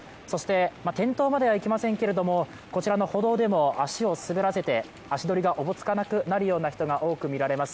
転倒まではいきませんけれども、こちらの歩道でも足を滑らせて足取りがおぼつかなくなるような人が多く見られます。